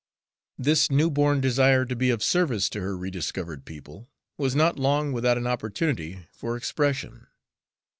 This new born desire to be of service to her rediscovered people was not long without an opportunity for expression.